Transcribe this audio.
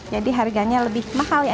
jadi harganya lebih mahal ya